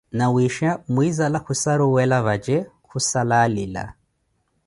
Nawisha mwinzala khussaruwela vatje khussala alila.